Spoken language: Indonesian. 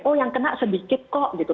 oh yang kena sedikit kok gitu